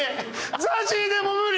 ＺＡＺＹでも無理！